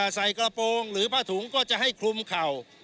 ใส่กระโปรงหรือผ้าถุงก็จะให้คลุมเข่า